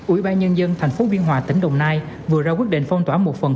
ủy ban nhân dân thành phố biên hòa tỉnh đồng nai vừa ra quyết định phong tỏa một phần